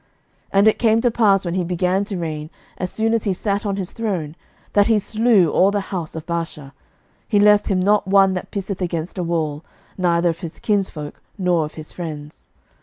11:016:011 And it came to pass, when he began to reign, as soon as he sat on his throne, that he slew all the house of Baasha: he left him not one that pisseth against a wall, neither of his kinsfolks, nor of his friends.